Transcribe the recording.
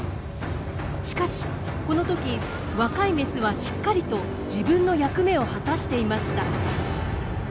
しかしこの時若いメスはしっかりと自分の役目を果たしていました。